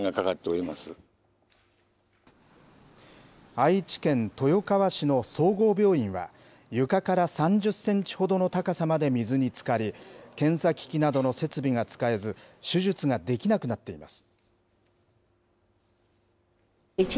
愛知県豊川市の総合病院は、床から３０センチほどの高さまで水につかり、検査機器などの設備が使えず、手術ができなくなっています。